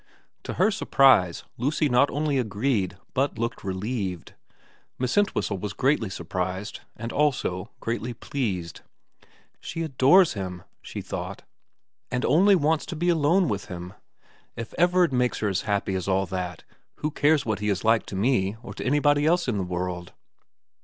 To her surprise Lucy not only agreed but looked relieved. Miss Entwhistle was greatly surprised, and also greatly pleased. * She adores him,' she thought, ' and only wants to be alone with him. If Everard makes her as happy as all that, who cares what he is like to me or to anybody else in the world